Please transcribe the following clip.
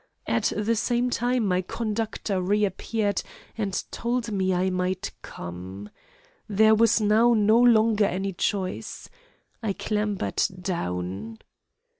At the same time my conductor re appeared and told me I might come. There was now no longer any choice. I clambered down.